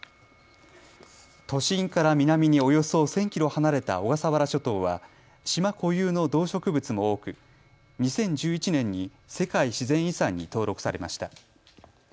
都心から南におよそ１０００キロ離れた小笠原諸島は島固有の動植物も多く２０１１年に世界自然遺産に登録されました。